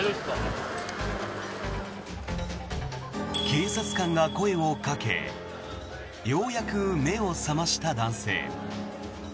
警察官が声をかけようやく目を覚ました男性。